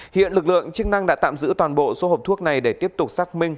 hiện lực lượng chức năng đã tạm giữ toàn bộ số hộp thuốc này để tiếp tục xác minh